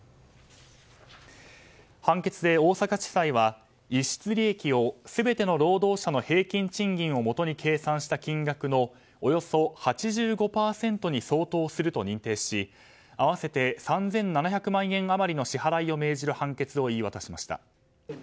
判決で大阪地裁は逸失利益を全ての労働者の平均賃金をもとに計算した金額のおよそ８５％に相当すると認定し合わせて３７００万円余りの支払いを命じる判決を言い渡しました。